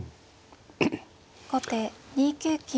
後手２九金。